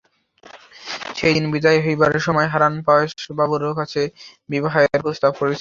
সেই দিন বিদায় হইবার সময় হারান পরেশবাবুর কাছে বিবাহের প্রস্তাব পাড়িলেন।